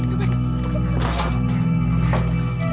terima kasih pak